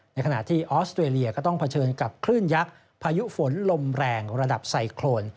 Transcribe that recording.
ในขณะที่ออสเตรเลียก็ต้องเผชิญกับคลื่นยักษ์พายุฝนลมแรงระดับไซโครน